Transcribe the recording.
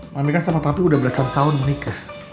mami kan sama papi udah belasan tahun menikah